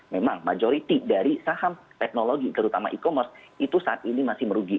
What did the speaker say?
memang majority dari saham teknologi terutama e commerce itu saat ini masih merugi